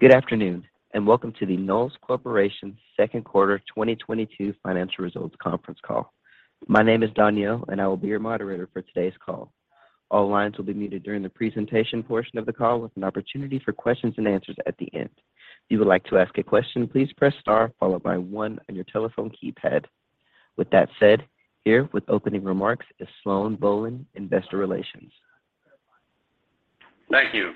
Good afternoon, and welcome to the Knowles Corporation second quarter 2022 financial results conference call. My name is Donielle, and I will be your moderator for today's call. All lines will be muted during the presentation portion of the call with an opportunity for questions and answers at the end. If you would like to ask a question, please press star followed by one on your telephone keypad. With that said, here with opening remarks is Sloan Bohlen, Investor Relations. Thank you.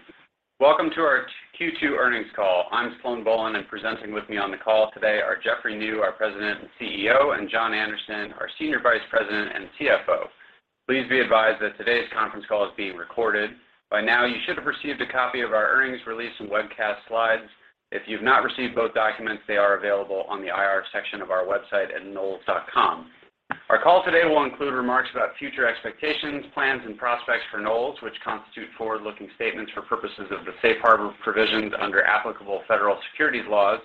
Welcome to our Q2 earnings call. I'm Sloan Bohlen, and presenting with me on the call today are Jeffrey Niew, our President and CEO, and John Anderson, our Senior Vice President and CFO. Please be advised that today's conference call is being recorded. By now, you should have received a copy of our earnings release and webcast slides. If you've not received both documents, they are available on the IR section of our website at knowles.com. Our call today will include remarks about future expectations, plans, and prospects for Knowles, which constitute forward-looking statements for purposes of the safe harbor provisions under applicable federal securities laws.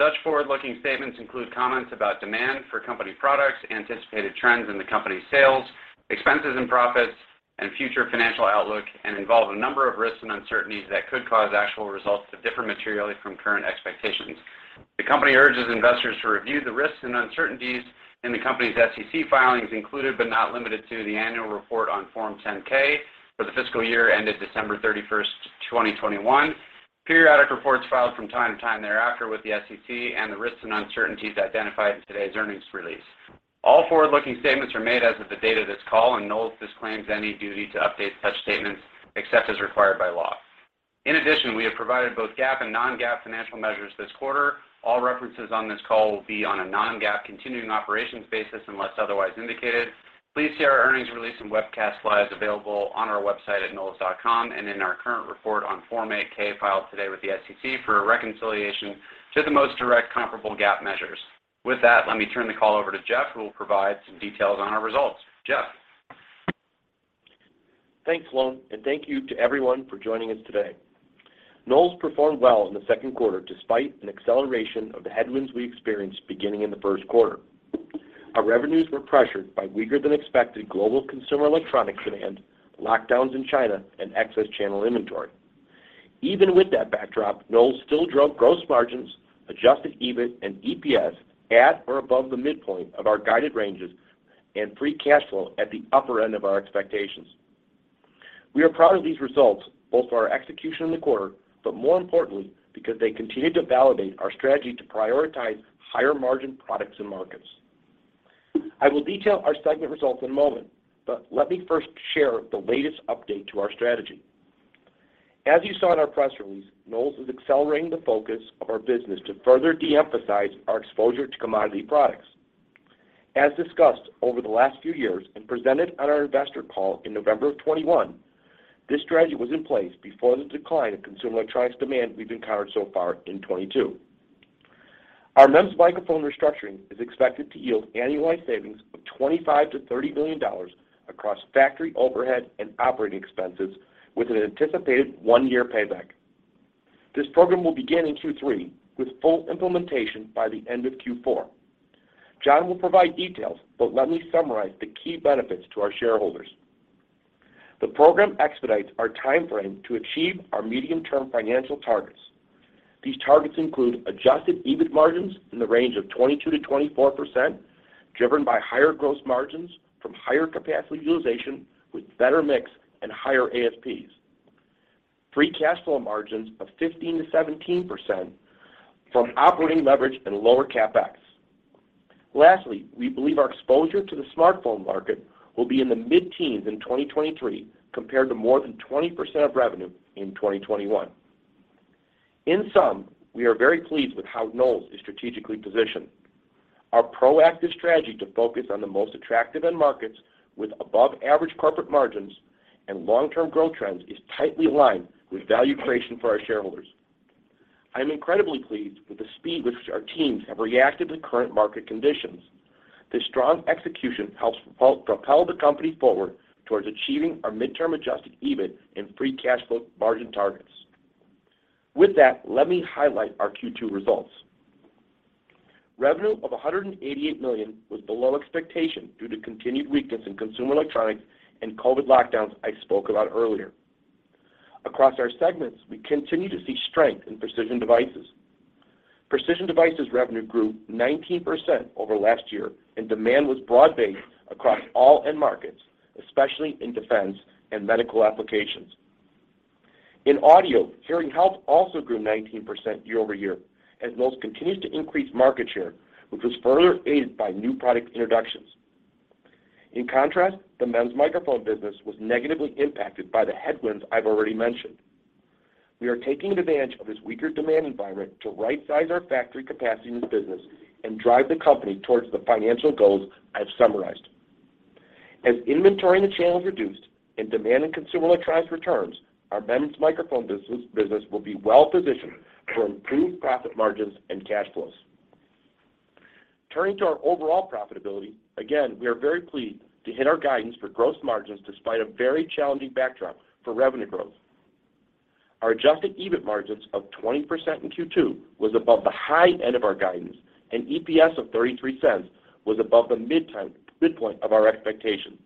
Such forward-looking statements include comments about demand for company products, anticipated trends in the company's sales, expenses and profits, and future financial outlook, and involve a number of risks and uncertainties that could cause actual results to differ materially from current expectations. The company urges investors to review the risks and uncertainties in the company's SEC filings, including, but not limited to, the annual report on Form 10-K for the fiscal year ended December 31st, 2021, periodic reports filed from time to time thereafter with the SEC, and the risks and uncertainties identified in today's earnings release. All forward-looking statements are made as of the date of this call, and Knowles disclaims any duty to update such statements except as required by law. In addition, we have provided both GAAP and non-GAAP financial measures this quarter. All references on this call will be on a non-GAAP continuing operations basis unless otherwise indicated. Please see our earnings release and webcast slides available on our website at knowles.com and in our current report on Form 8-K filed today with the SEC for a reconciliation to the most directly comparable GAAP measures. With that, let me turn the call over to Jeff, who will provide some details on our results. Jeff. Thanks, Sloan, and thank you to everyone for joining us today. Knowles performed well in the second quarter despite an acceleration of the headwinds we experienced beginning in the first quarter. Our revenues were pressured by weaker than expected global consumer electronic demand, lockdowns in China, and excess channel inventory. Even with that backdrop, Knowles still drove gross margins, Adjusted EBIT and EPS at or above the midpoint of our guided ranges and free cash flow at the upper end of our expectations. We are proud of these results, both for our execution in the quarter, but more importantly, because they continue to validate our strategy to prioritize higher margin products and markets. I will detail our segment results in a moment, but let me first share the latest update to our strategy. As you saw in our press release, Knowles is accelerating the focus of our business to further de-emphasize our exposure to commodity products. As discussed over the last few years and presented at our investor call in November of 2021, this strategy was in place before the decline in consumer electronics demand we've encountered so far in 2022. Our MEMS Microphone restructuring is expected to yield annualized savings of $25 million-$30 million across factory overhead and operating expenses with an anticipated one-year payback. This program will begin in Q3 with full implementation by the end of Q4. John will provide details, but let me summarize the key benefits to our shareholders. The program expedites our timeframe to achieve our medium-term financial targets. These targets include Adjusted EBIT margins in the range of 22%-24%, driven by higher gross margins from higher capacity utilization with better mix and higher ASPs. Free cash flow margins of 15%-17% from operating leverage and lower CapEx. Lastly, we believe our exposure to the smartphone market will be in the mid-teens in 2023 compared to more than 20% of revenue in 2021. In sum, we are very pleased with how Knowles is strategically positioned. Our proactive strategy to focus on the most attractive end markets with above average corporate margins and long-term growth trends is tightly aligned with value creation for our shareholders. I am incredibly pleased with the speed with which our teams have reacted to current market conditions. This strong execution helps propel the company forward towards achieving our midterm Adjusted EBIT and free cash flow margin targets. With that, let me highlight our Q2 results. Revenue of $188 million was below expectation due to continued weakness in consumer electronics and COVID lockdowns I spoke about earlier. Across our segments, we continue to see strength in Precision Devices. Precision Devices revenue grew 19% over last year, and demand was broad-based across all end markets, especially in defense and medical applications. In Audio, Hearing Health also grew 19% year-over-year, as Knowles continues to increase market share, which was further aided by new product introductions. In contrast, the MEMS Microphone business was negatively impacted by the headwinds I've already mentioned. We are taking advantage of this weaker demand environment to right size our factory capacity in the business and drive the company towards the financial goals I've summarized. As inventory in the channel is reduced and demand in consumer electronics returns, our MEMS Microphone business will be well-positioned for improved profit margins and cash flows. Turning to our overall profitability, again, we are very pleased to hit our guidance for gross margins despite a very challenging backdrop for revenue growth. Our adjusted EBIT margins of 20% in Q2 was above the high end of our guidance, and EPS of $0.33 was above the midpoint of our expectations.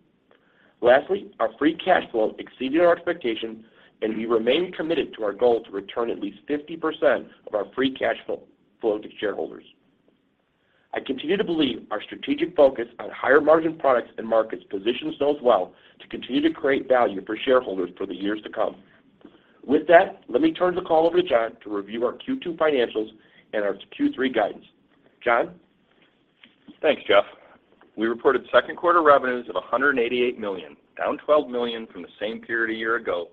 Lastly, our free cash flow exceeded our expectations, and we remain committed to our goal to return at least 50% of our free cash flow flowing to shareholders. I continue to believe our strategic focus on higher margin products and markets positions Knowles well to continue to create value for shareholders for the years to come. With that, let me turn the call over to John to review our Q2 financials and our Q3 guidance. John? Thanks, Jeff. We reported second quarter revenues of $188 million, down $12 million from the same period a year ago,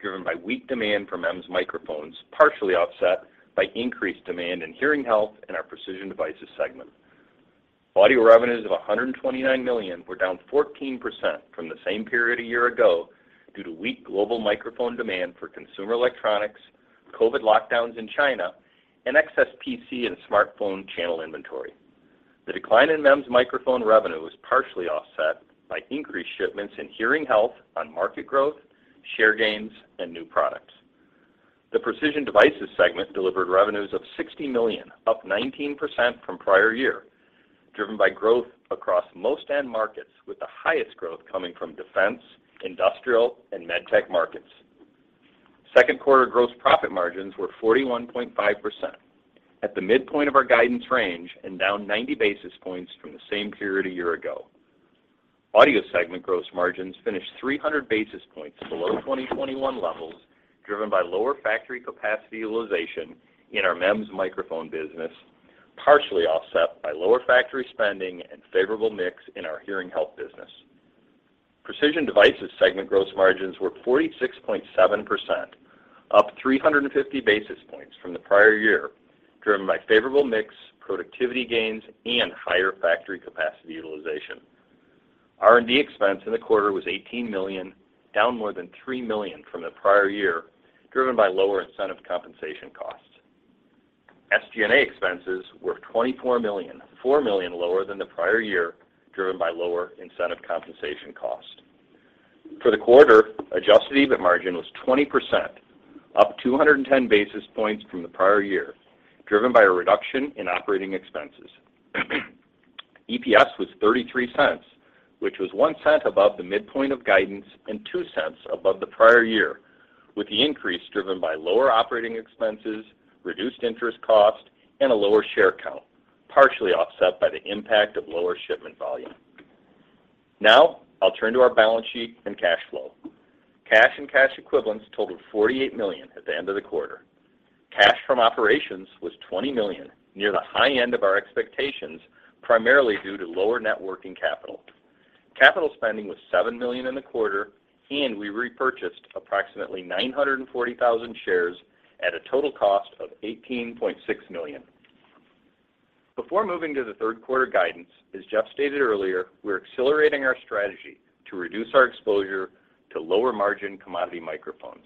driven by weak demand from MEMS Microphones, partially offset by increased demand in Hearing Health and our Precision Devices segment. Audio revenues of $129 million were down 14% from the same period a year ago due to weak global microphone demand for consumer electronics, COVID lockdowns in China, and excess PC and smartphone channel inventory. The decline in MEMS Microphone revenue was partially offset by increased shipments in Hearing Health on market growth, share gains, and new products. The Precision Devices segment delivered revenues of $60 million, up 19% from prior year, driven by growth across most end markets, with the highest growth coming from defense, industrial, and MedTech markets. Second quarter gross profit margins were 41.5% at the midpoint of our guidance range and down 90 basis points from the same period a year ago. Audio segment gross margins finished 300 basis points below 2021 levels, driven by lower factory capacity utilization in our MEMS Microphone business, partially offset by lower factory spending and favorable mix in our Hearing Health business. Precision Devices segment gross margins were 46.7%, up 350 basis points from the prior year, driven by favorable mix, productivity gains, and higher factory capacity utilization. R&D expense in the quarter was $18 million, down more than $3 million from the prior year, driven by lower incentive compensation costs. SG&A expenses were $24 million, $4 million lower than the prior year, driven by lower incentive compensation cost. For the quarter, Adjusted EBIT margin was 20%, up 210 basis points from the prior year, driven by a reduction in operating expenses. EPS was $0.33, which was $0.01 above the midpoint of guidance and $0.02 above the prior year, with the increase driven by lower operating expenses, reduced interest cost, and a lower share count, partially offset by the impact of lower shipment volume. Now I'll turn to our balance sheet and cash flow. Cash and cash equivalents totaled $48 million at the end of the quarter. Cash from operations was $20 million, near the high end of our expectations, primarily due to lower net working capital. Capital spending was $7 million in the quarter, and we repurchased approximately 940,000 shares at a total cost of $18.6 million. Before moving to the third quarter guidance, as Jeffrey stated earlier, we're accelerating our strategy to reduce our exposure to lower-margin commodity microphones.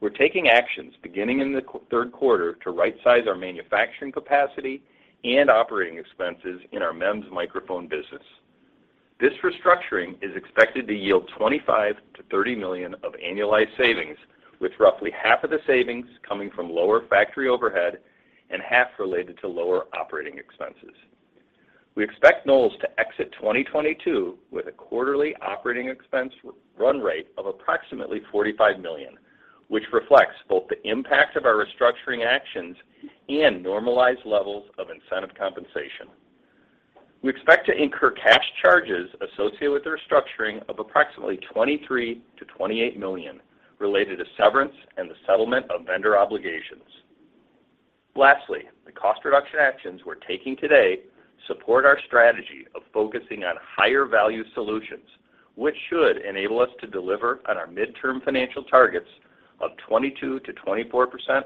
We're taking actions beginning in the third quarter to right-size our manufacturing capacity and operating expenses in our MEMS Microphone business. This restructuring is expected to yield $25 million-$30 million of annualized savings, with roughly half of the savings coming from lower factory overhead and half related to lower operating expenses. We expect Knowles to exit 2022 with a quarterly operating expense run rate of approximately $45 million, which reflects both the impact of our restructuring actions and normalized levels of incentive compensation. We expect to incur cash charges associated with the restructuring of approximately $23 million-$28 million related to severance and the settlement of vendor obligations. Lastly, the cost reduction actions we're taking today support our strategy of focusing on higher value solutions, which should enable us to deliver on our midterm financial targets of 22%-24%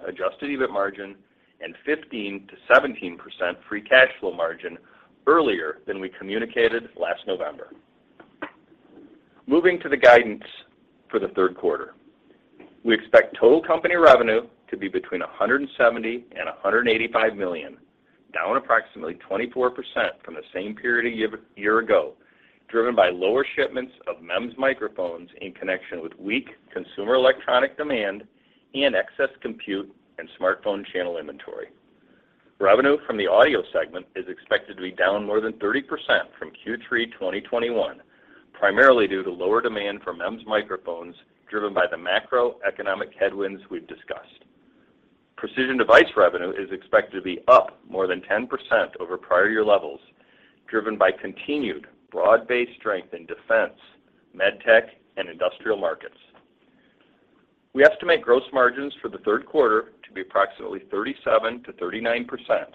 Adjusted EBIT margin and 15%-17% free cash flow margin earlier than we communicated last November. Moving to the guidance for the third quarter. We expect total company revenue to be between $170 million and $185 million, down approximately 24% from the same period year ago, driven by lower shipments of MEMS Microphones in connection with weak consumer electronics demand and excess compute and smartphone channel inventory. Revenue from the Audio segment is expected to be down more than 30% from Q3 2021, primarily due to lower demand from MEMS Microphones, driven by the macroeconomic headwinds we've discussed. Precision Devices revenue is expected to be up more than 10% over prior year levels, driven by continued broad-based strength in defense, MedTech, and industrial markets. We estimate gross margins for the third quarter to be approximately 37%-39%,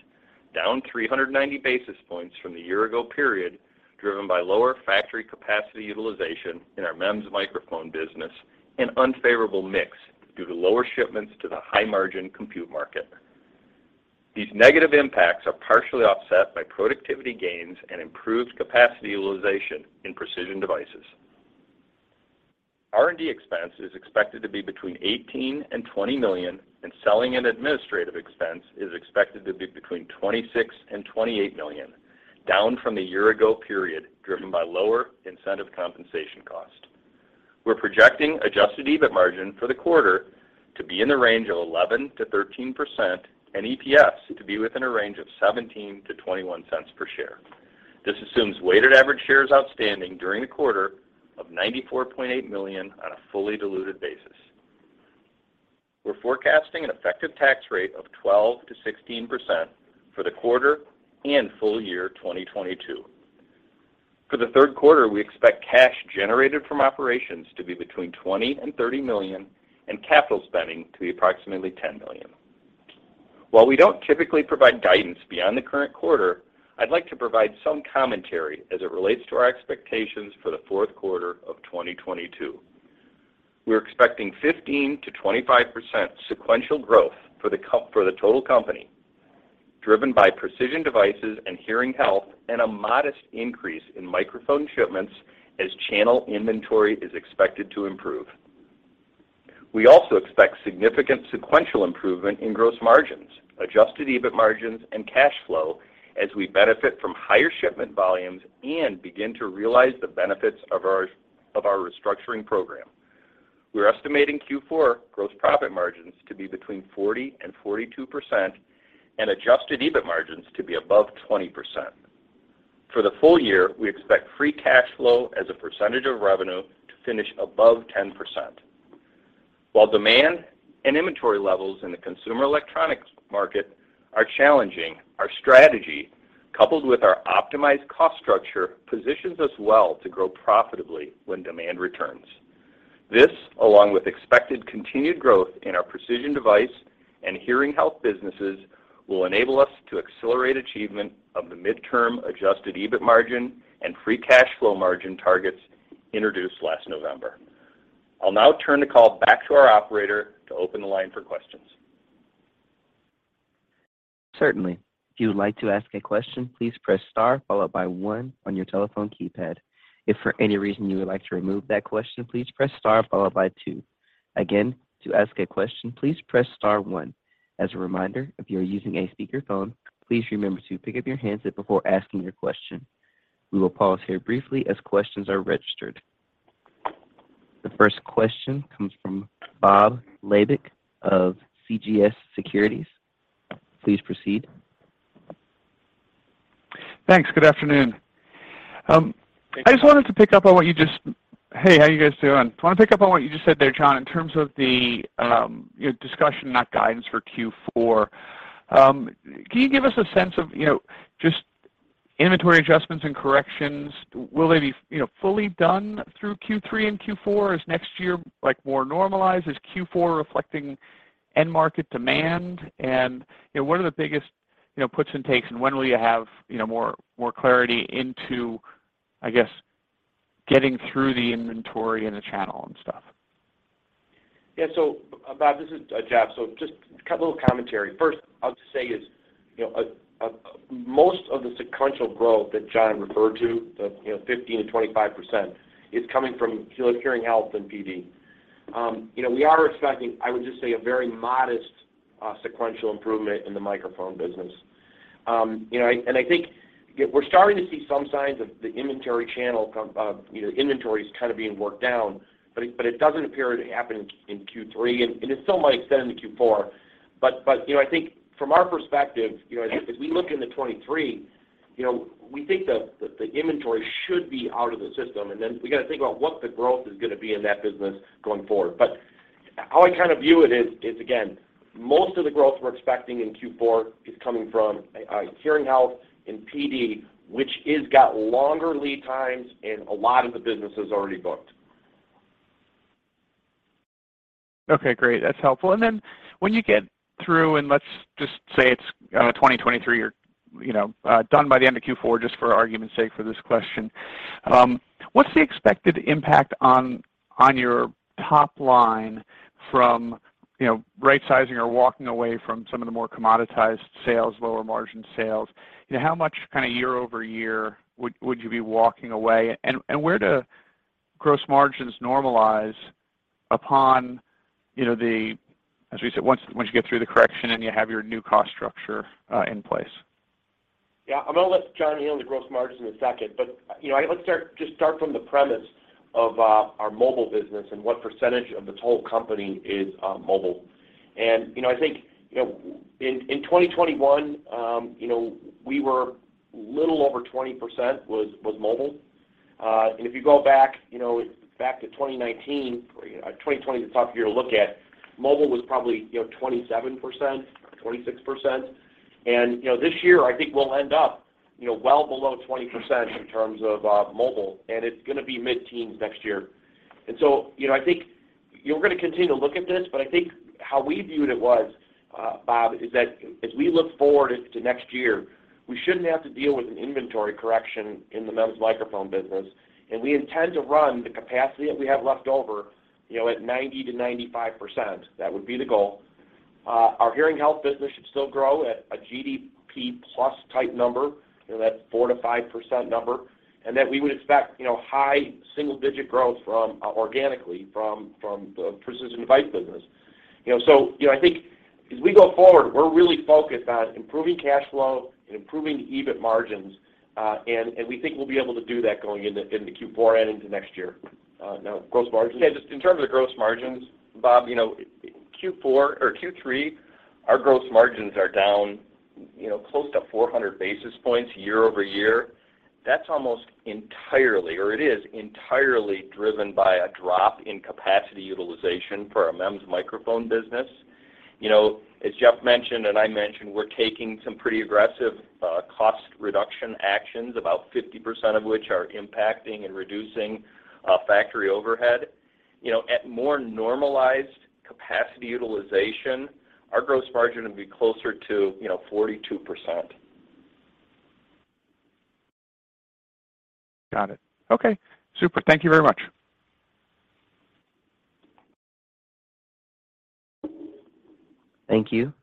down 390 basis points from the year-ago period, driven by lower factory capacity utilization in our MEMS Microphone business and unfavorable mix due to lower shipments to the high-margin compute market. These negative impacts are partially offset by productivity gains and improved capacity utilization in Precision Devices. R&D expense is expected to be between $18 million and $20 million, and selling and administrative expense is expected to be between $26 million and $28 million, down from the year-ago period, driven by lower incentive compensation cost. We're projecting adjusted EBIT margin for the quarter to be in the range of 11%-13%, and EPS to be within a range of $0.17-$0.21 per share. This assumes weighted average shares outstanding during the quarter of 94.8 million on a fully diluted basis. We're forecasting an effective tax rate of 12%-16% for the quarter and full year 2022. For the third quarter, we expect cash generated from operations to be between $20 million and $30 million and capital spending to be approximately $10 million. While we don't typically provide guidance beyond the current quarter, I'd like to provide some commentary as it relates to our expectations for the fourth quarter of 2022. We're expecting 15%-25% sequential growth for the total company, driven by Precision Devices and Hearing Health, and a modest increase in microphone shipments as channel inventory is expected to improve. We also expect significant sequential improvement in gross margins, Adjusted EBIT margins, and cash flow as we benefit from higher shipment volumes and begin to realize the benefits of our restructuring program. We're estimating Q4 gross profit margins to be between 40% and 42% and Adjusted EBIT margins to be above 20%. For the full year, we expect free cash flow as a percentage of revenue to finish above 10%. While demand and inventory levels in the consumer electronics market are challenging, our strategy, coupled with our optimized cost structure, positions us well to grow profitably when demand returns. This, along with expected continued growth in our Precision Devices and Hearing Health businesses, will enable us to accelerate achievement of the midterm Adjusted EBIT margin and free cash flow margin targets introduced last November. I'll now turn the call back to our operator to open the line for questions. Certainly. If you would like to ask a question, please press star followed by one on your telephone keypad. If for any reason you would like to remove that question, please press star followed by two. Again, to ask a question, please press star one. As a reminder, if you are using a speakerphone, please remember to pick up your handset before asking your question. We will pause here briefly as questions are registered. The first question comes from Bob Labick of CJS Securities. Please proceed. Thanks. Good afternoon. Thank you. I want to pick up on what you just said there, John, in terms of the, you know, discussion, not guidance for Q4. Can you give us a sense of, you know, just inventory adjustments and corrections? Will they be, you know, fully done through Q3 and Q4? Is next year, like, more normalized? Is Q4 reflecting end market demand? You know, what are the biggest, you know, puts and takes, and when will you have, you know, more clarity into, I guess, getting through the inventory in the channel and stuff? Bob, this is Jeff. Just a couple of comments. First, I'll just say, you know, most of the sequential growth that John referred to, the 15%-25%, is coming from Hearing Health and PD. You know, we are expecting, I would just say, a very modest sequential improvement in the microphone business. You know, and I think we're starting to see some signs of the inventory channel of inventories kind of being worked down, but it doesn't appear to happen in Q3, and it still might extend into Q4. I think from our perspective, you know, as we look into 2023, you know, we think the inventory should be out of the system, and then we got to think about what the growth is going to be in that business going forward. How I kind of view it is again, most of the growth we're expecting in Q4 is coming from Hearing Health and PD, which is got longer lead times and a lot of the business is already booked. Okay, great. That's helpful. When you get through, let's just say it's 2023 or, you know, done by the end of Q4, just for argument's sake for this question, what's the expected impact on your top line from, you know, rightsizing or walking away from some of the more commoditized sales, lower margin sales? You know, how much kind of year-over-year would you be walking away? Where do gross margins normalize upon, you know, as we said, once you get through the correction and you have your new cost structure in place? Yeah. I'm going to let John handle the gross margins in a second. You know, let's just start from the premise of our mobile business and what percentage of the total company is mobile. You know, I think you know, in 2021, you know, we were little over 20% was mobile. If you go back you know, back to 2019, 2020 is a tougher year to look at, mobile was probably you know, 27% or 26%. You know, this year I think we'll end up you know, well below 20% in terms of mobile, and it's going to be mid-teens next year. You know, I think we're going to continue to look at this, but I think how we viewed it was, Bob, is that as we look forward to next year, we shouldn't have to deal with an inventory correction in the MEMS microphone business, and we intend to run the capacity that we have left over, you know, at 90%-95%. That would be the goal. Our Hearing Health business should still grow at a GDP plus type number. You know, that 4%-5% number. That we would expect, you know, high single-digit growth from organically from the Precision Devices business. You know, you know, as we go forward, we're really focused on improving cash flow and improving EBIT margins, and we think we'll be able to do that going into Q4 and into next year. Now gross margins? Yeah, just in terms of gross margins, Bob, you know, Q4 or Q3, our gross margins are down, you know, close to 400 basis points year-over-year. That's almost entirely, or it is entirely driven by a drop in capacity utilization for our MEMS microphone business. You know, as Jeff mentioned, and I mentioned, we're taking some pretty aggressive cost reduction actions, about 50% of which are impacting and reducing factory overhead. You know, at more normalized capacity utilization, our gross margin would be closer to, you know, 42%. Got it. Okay. Super. Thank you very much. Thank you.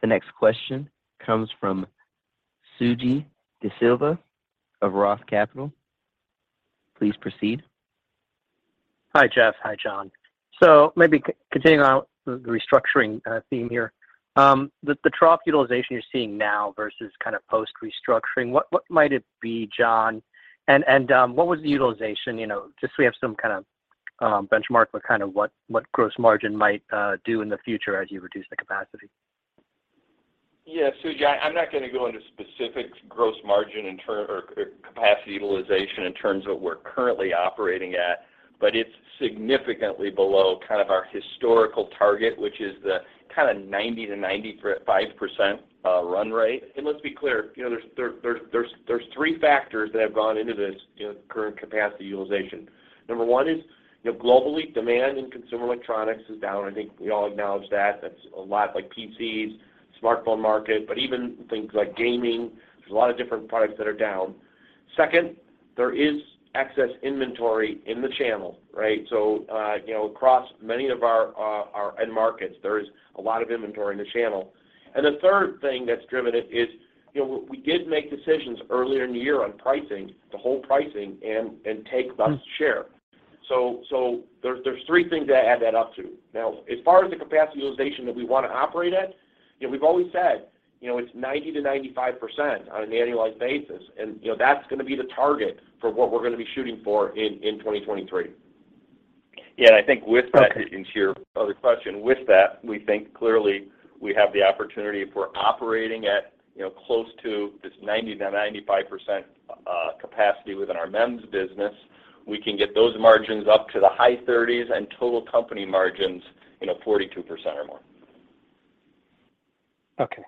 The next question comes from Suji Desilva of Roth Capital Partners. Please proceed. Hi, Jeff. Hi, John. Maybe continuing on the restructuring theme here. The trough utilization you're seeing now versus kind of post-restructuring, what might it be, John? What was the utilization? You know, just so we have some kind of benchmark with kind of what gross margin might do in the future as you reduce the capacity. Yeah. Suji, I'm not gonna go into specific gross margin or capacity utilization in terms of what we're currently operating at, but it's significantly below kind of our historical target, which is the kind of 90%-95% run rate. Let's be clear, you know, there's three factors that have gone into this, you know, current capacity utilization. Number one is, you know, globally, demand in consumer electronics is down. I think we all acknowledge that. That's a lot like PCs, smartphone market, but even things like gaming. There's a lot of different products that are down. Second, there is excess inventory in the channel, right? You know, across many of our end markets, there is a lot of inventory in the channel. The third thing that's driven it is, you know, we did make decisions earlier in the year on pricing, to hold pricing and take share. So, there's three things that add up to that. Now, as far as the capacity utilization that we wanna operate at, you know, we've always said, you know, it's 90%-95% on an annualized basis, and, you know, that's gonna be the target for what we're gonna be shooting for in 2023. Yeah. I think with that, to answer your other question, with that, we think clearly we have the opportunity if we're operating at, you know, close to this 90%-95% capacity within our MEMS business, we can get those margins up to the high 30s% and total company margins, you know, 42% or more. Okay.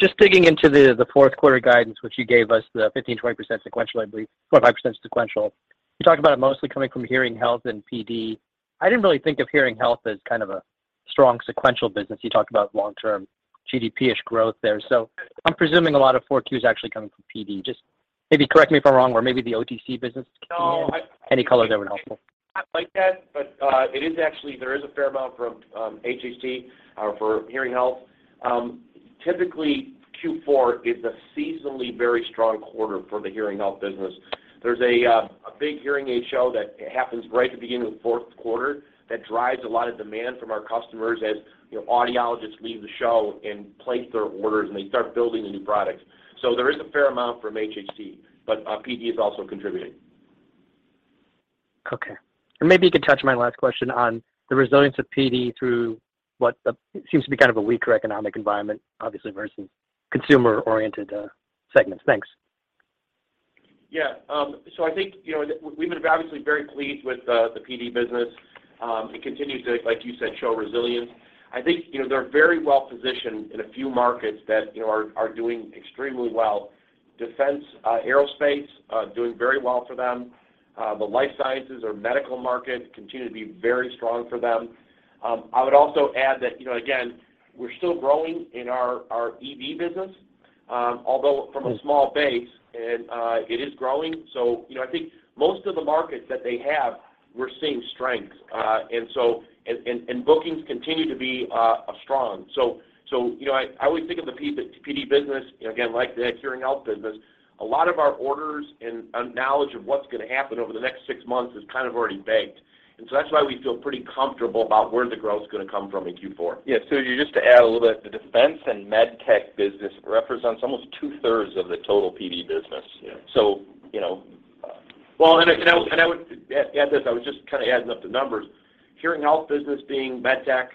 Just digging into the fourth quarter guidance, which you gave us the 15%-20% sequential, I believe, or 5% sequential. You talked about it mostly coming from Hearing Health and PD. I didn't really think of Hearing Health as kind of a strong sequential business. You talked about long-term GDP-ish growth there. I'm presuming a lot of 4Q is actually coming from PD. Just maybe correct me if I'm wrong, or maybe the OTC business can weigh in. No. I- Any color there would be helpful. Not like that, but it is actually there is a fair amount from HHT for hearing health. Typically, Q4 is a seasonally very strong quarter for the hearing health business. There's a big hearing aid show that happens right at the beginning of the fourth quarter that drives a lot of demand from our customers as you know, audiologists leave the show and place their orders, and they start building the new products. There is a fair amount from HHT, but PD is also contributing. Okay. Maybe you could touch on my last question on the resilience of PD through what seems to be kind of a weaker economic environment, obviously, versus consumer-oriented segments. Thanks. Yeah. I think, you know, we've been obviously very pleased with the PD business. It continues to, like you said, show resilience. I think, you know, they're very well positioned in a few markets that, you know, are doing extremely well. Defense, aerospace, doing very well for them. The life sciences or medical markets continue to be very strong for them. I would also add that, you know, again, we're still growing in our EV business, although from a small base, and it is growing. You know, I think most of the markets that they have, we're seeing strength. Bookings continue to be strong. You know, I always think of the PD business, you know, again, like the Hearing Health business, a lot of our orders and knowledge of what's gonna happen over the next six months is kind of already baked. That's why we feel pretty comfortable about where the growth is gonna come from in Q4. Yeah. Suji, just to add a little bit, the defense and MedTech business represents almost two-thirds of the total PD business. Yeah. You know. I would add this. I was just kind of adding up the numbers. Hearing Health business being MedTech,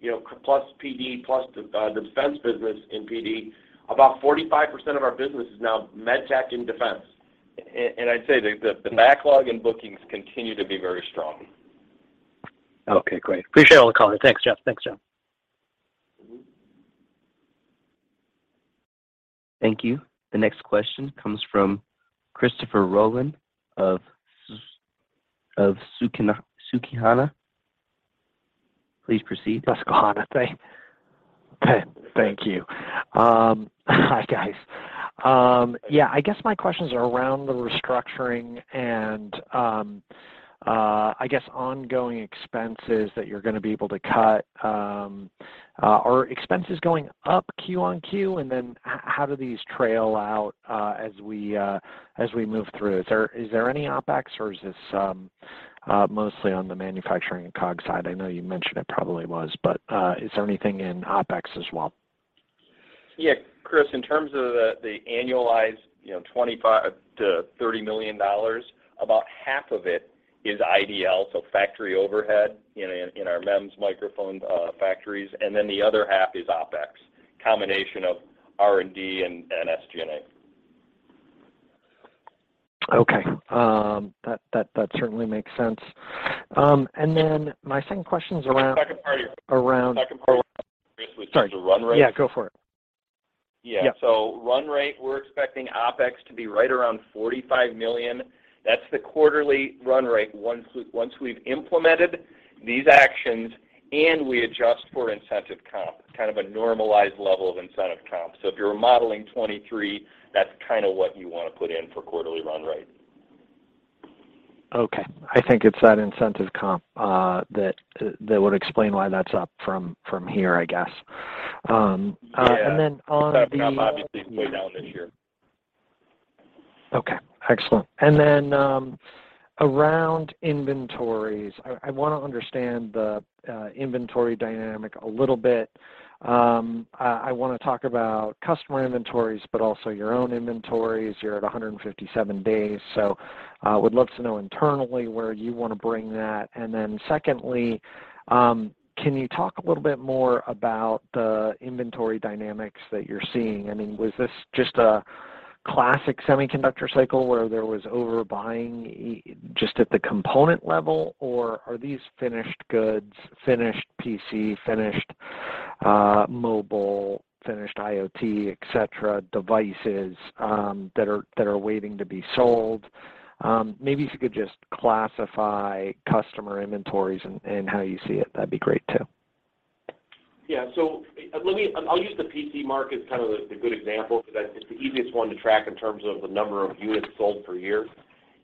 you know, plus PD, plus the defense business in PD, about 45% of our business is now MedTech and defense. I'd say the backlog and bookings continue to be very strong. Okay, great. Appreciate all the color. Thanks, Jeff. Thanks, John. Thank you. The next question comes from Christopher Rolland of Susquehanna. Please proceed. Susquehanna. Thank you. Hi, guys. Yeah, I guess my questions are around the restructuring and I guess ongoing expenses that you're gonna be able to cut. Are expenses going up Q-on-Q? Then how do these play out as we move through? Is there any OpEx, or is this mostly on the manufacturing and COGS side? I know you mentioned it probably was, but is there anything in OpEx as well? Yeah, Chris, in terms of the annualized, you know, $25 million-$30 million, about half of it is IDL, so factory overhead, you know, in our MEMS microphone factories. Then the other half is OpEx, combination of R&D and SG&A. Okay. That certainly makes sense. My second question's around- The second part of your- Around- The second part was basically just the run rate? Sorry. Yeah, go for it. Yeah. Yeah. Run rate, we're expecting OpEx to be right around $45 million. That's the quarterly run rate once we've implemented these actions and we adjust for incentive comp, kind of a normalized level of incentive comp. If you're modeling 2023, that's kind of what you wanna put in for quarterly run rate. Okay. I think it's that incentive comp that would explain why that's up from here, I guess. Yeah... and then on the- Comp obviously is way down this year. Okay, excellent. Around inventories, I wanna understand the inventory dynamic a little bit. I wanna talk about customer inventories, but also your own inventories. You're at 157 days, so would love to know internally where you wanna bring that. Secondly, can you talk a little bit more about the inventory dynamics that you're seeing? I mean, was this just a classic semiconductor cycle where there was overbuying just at the component level, or are these finished goods, finished PC, finished mobile, finished IoT, et cetera, devices that are waiting to be sold? Maybe if you could just classify customer inventories and how you see it, that'd be great, too. I'll use the PC market as kind of the good example because that's just the easiest one to track in terms of the number of units sold per year.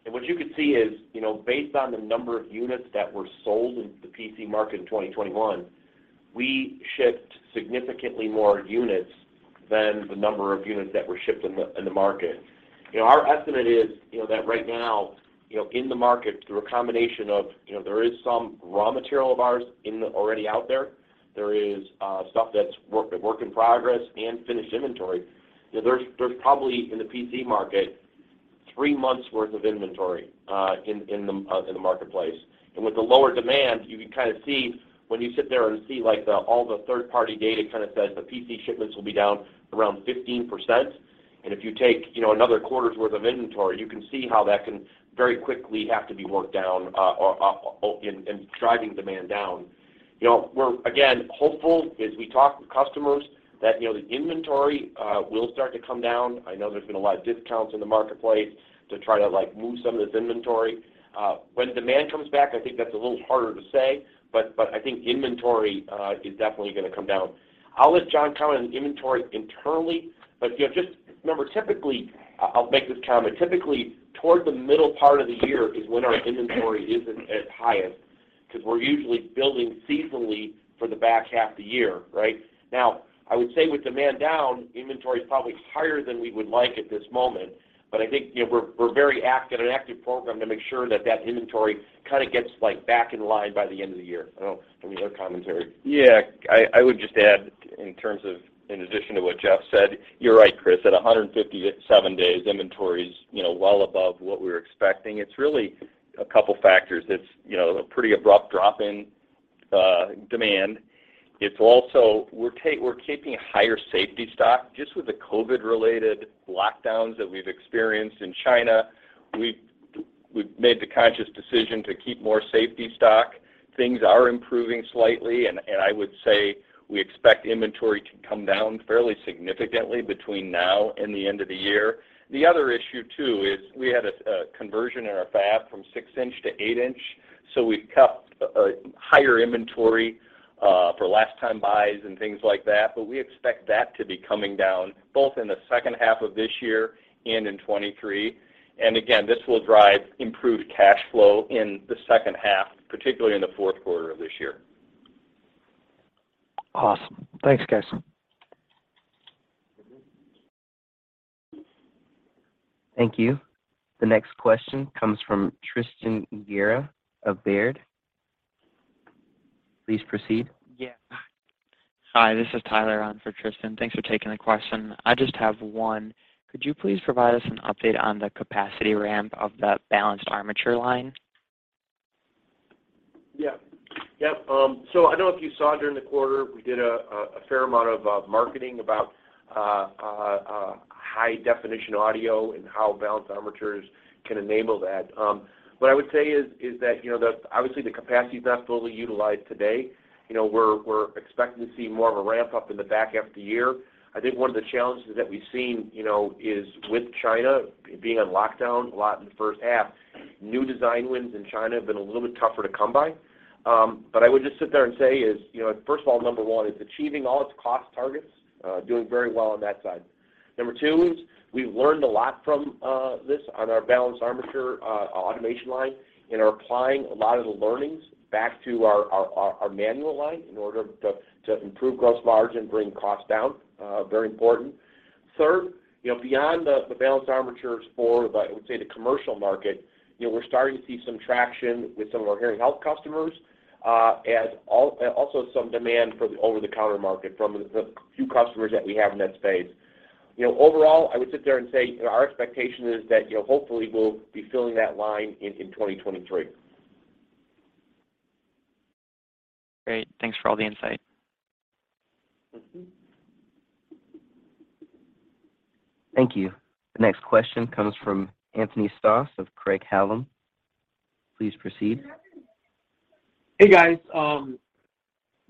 What you can see is, you know, based on the number of units that were sold in the PC market in 2021, we shipped significantly more units than the number of units that were shipped in the market. Our estimate is, you know, that right now, you know, in the market, through a combination of, you know, there is some raw material of ours already out there is stuff that's work in progress and finished inventory, you know, there's probably, in the PC market, three months worth of inventory in the marketplace. With the lower demand, you can kind of see when you sit there and see, like, all the third party data kind of says the PC shipments will be down around 15%. If you take, you know, another quarter's worth of inventory, you can see how that can very quickly have to be worked down or and driving demand down. You know, we're, again, hopeful as we talk with customers that, you know, the inventory will start to come down. I know there's been a lot of discounts in the marketplace to try to, like, move some of this inventory. When demand comes back, I think that's a little harder to say, but I think inventory is definitely gonna come down. I'll let John comment on inventory internally. You know, just remember, typically. I'll make this comment. Typically, toward the middle part of the year is when our inventory is at its highest, 'cause we're usually building seasonally for the back half of the year, right? Now, I would say with demand down, inventory is probably higher than we would like at this moment. I think, you know, we're in an active program to make sure that inventory kind of gets, like, back in line by the end of the year. I don't know. Any other commentary? Yeah. I would just add in terms of in addition to what Jeff said, you're right, Chris. At 157 days, inventory is, you know, well above what we were expecting. It's really a couple factors. It's, you know, a pretty abrupt drop in demand. It's also we're keeping higher safety stock. Just with the COVID-related lockdowns that we've experienced in China, we've made the conscious decision to keep more safety stock. Things are improving slightly, and I would say we expect inventory to come down fairly significantly between now and the end of the year. The other issue, too, is we had a conversion in our fab from 6-inch to 8-inch, so we kept a higher inventory for last time buys and things like that. We expect that to be coming down both in the second half of this year and in 2023. Again, this will drive improved cash flow in the second half, particularly in the fourth quarter of this year. Awesome. Thanks, guys. Thank you. The next question comes from Tristan Gerra of Baird. Please proceed. Yeah. Hi, this is Tyler on for Tristan. Thanks for taking the question. I just have one. Could you please provide us an update on the capacity ramp of the Balanced Armature line? Yeah. Yep. I don't know if you saw during the quarter, we did a fair amount of marketing about high definition audio and how Balanced Armatures can enable that. What I would say is that, you know, obviously the capacity is not fully utilized today. You know, we're expecting to see more of a ramp-up in the back half of the year. I think one of the challenges that we've seen, you know, is with China being on lockdown a lot in the first half. New design wins in China have been a little bit tougher to come by. I would just sit there and say this, you know, first of all, number one, it's achieving all its cost targets, doing very well on that side. Number two is we've learned a lot from this on our Balanced Armature automation line and are applying a lot of the learnings back to our manual line in order to improve gross margin, bring costs down, very important. Third, you know, beyond the Balanced Armatures for the, I would say, the commercial market, you know, we're starting to see some traction with some of our Hearing Health customers, also some demand for the over-the-counter market from the few customers that we have in that space. You know, overall, I would sit there and say our expectation is that, you know, hopefully we'll be filling that line in 2023. Great. Thanks for all the insight. Mm-hmm. Thank you. The next question comes from Anthony Stoss of Craig-Hallum. Please proceed. Hey, guys.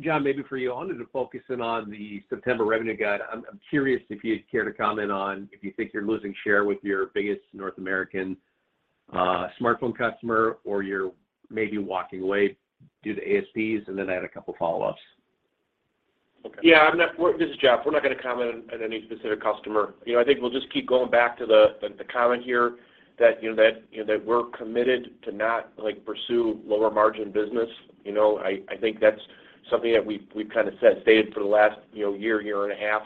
John, maybe for you. I wanted to focus in on the September revenue guide. I'm curious if you'd care to comment on if you think you're losing share with your biggest North American smartphone customer, or you're maybe walking away due to ASPs. I had a couple follow-ups. Yeah. This is Jeff. We're not gonna comment on any specific customer. You know, I think we'll just keep going back to the comment here that we're committed to not, like, pursue lower margin business, you know. I think that's something that we've kind of stated for the last year and a half,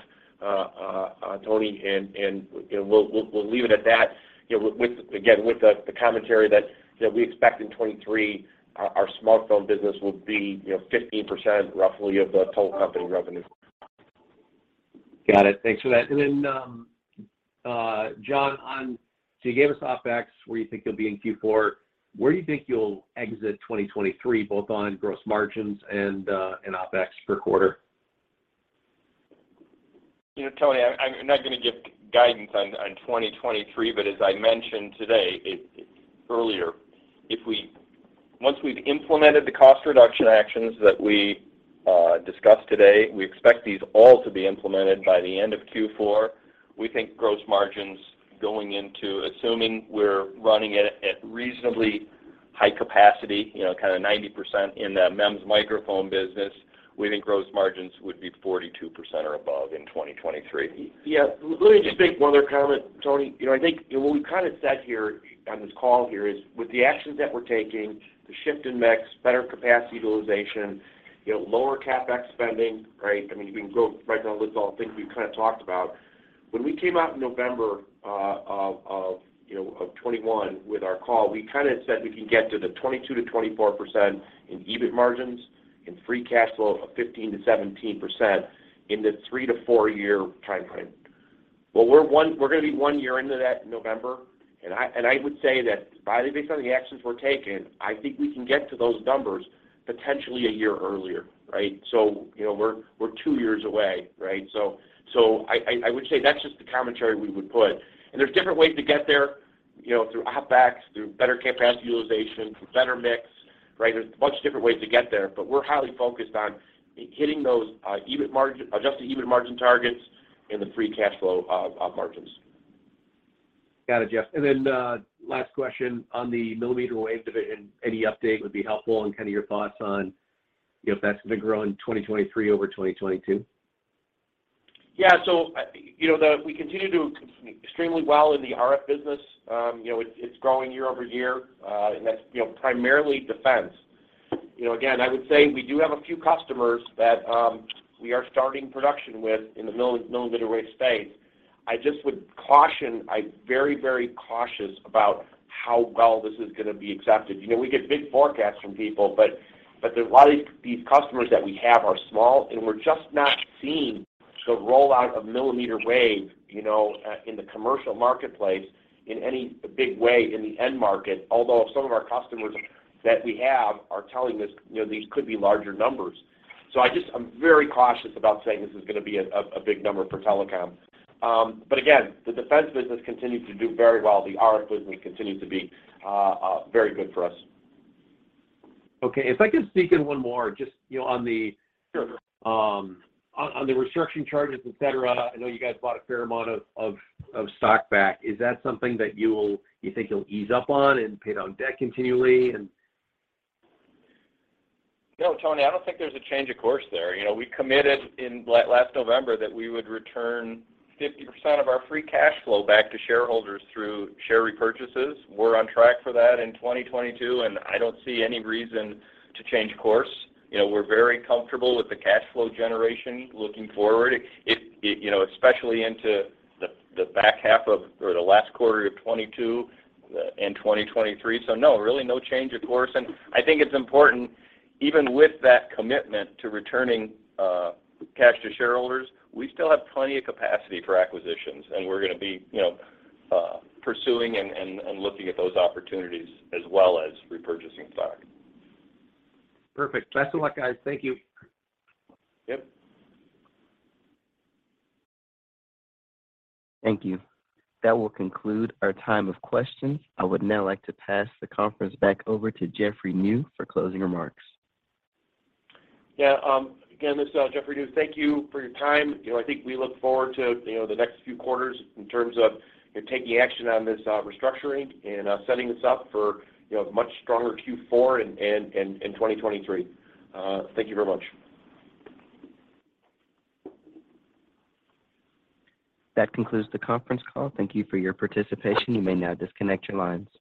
Anthony. You know, we'll leave it at that. You know, with the commentary that we expect in 2023 our smartphone business will be 15% roughly of the total company revenue. Got it. Thanks for that. John, you gave us OpEx, where you think you'll be in Q4. Where do you think you'll exit 2023, both on gross margins and OpEx per quarter? You know, Tony, I'm not gonna give guidance on 2023, but as I mentioned today, earlier, once we've implemented the cost reduction actions that we discussed today, we expect these all to be implemented by the end of Q4. We think gross margins, assuming we're running at reasonably high capacity, you know, kind of 90% in the MEMS Microphone business, we think gross margins would be 42% or above in 2023. Yeah. Let me just make one other comment, Tony. You know, I think, you know, what we've kind of said here on this call here is with the actions that we're taking, the shift in mix, better capacity utilization, you know, lower CapEx spending, right? I mean, you can go right down the list of all the things we've kind of talked about. When we came out in November 2021 with our call, we kind of said we can get to the 22%-24% in EBIT margins and free cash flow of 15%-17% in the three to four-year time frame. Well, we're gonna be one year into that in November, and I would say that based on the actions we're taking, I think we can get to those numbers potentially a year earlier, right? We're two years away, right? I would say that's just the commentary we would put. There's different ways to get there, you know, through OpEx, through better capacity utilization, through better mix, right? There's a bunch of different ways to get there, but we're highly focused on hitting those adjusted EBIT margin targets and the free cash flow margins. Got it, Jeff. Last question on the millimeter wave division. Any update would be helpful, and kind of your thoughts on if that's gonna grow in 2023 over 2022. Yeah. We continue to do extremely well in the RF business. You know, it's growing year-over-year. And that's, you know, primarily defense. You know, again, I would say we do have a few customers that we are starting production with in the millimeter wave space. I just would caution. I'm very, very cautious about how well this is gonna be accepted. You know, we get big forecasts from people, but there are a lot of these customers that we have are small, and we're just not seeing the rollout of millimeter wave, you know, in the commercial marketplace in any big way in the end market. Although some of our customers that we have are telling us, you know, these could be larger numbers. I'm very cautious about saying this is gonna be a big number for telecom. The defense business continues to do very well. The RF business continues to be very good for us. Okay. If I could sneak in one more, just, you know, on the- Sure. On the restructuring charges, et cetera. I know you guys bought a fair amount of stock back. Is that something that you think you'll ease up on and pay down debt continually and... No, Anthony, I don't think there's a change of course there. You know, we committed in last November that we would return 50% of our free cash flow back to shareholders through share repurchases. We're on track for that in 2022, and I don't see any reason to change course. You know, we're very comfortable with the cash flow generation looking forward, you know, especially into the back half or the last quarter of 2022, and 2023. No, really no change of course. I think it's important even with that commitment to returning cash to shareholders, we still have plenty of capacity for acquisitions, and we're gonna be, you know, pursuing and looking at those opportunities as well as repurchasing stock. Perfect. Best of luck, guys. Thank you. Yep. Thank you. That will conclude our time of questions. I would now like to pass the conference back over to Jeffrey Niew for closing remarks. Yeah. Again, this is Jeffrey Niew. Thank you for your time. You know, I think we look forward to, you know, the next few quarters in terms of, you know, taking action on this restructuring and setting this up for, you know, a much stronger Q4 in 2023. Thank you very much. That concludes the conference call. Thank you for your participation. You may now disconnect your lines.